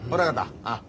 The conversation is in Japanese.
ああ